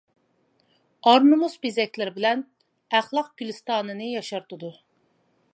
ئار نومۇس بېزەكلىرى بىلەن ئەخلاق گۈلىستانىنى ياشارتىدۇ.